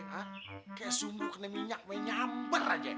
kayak sumur kena minyak main nyambar aja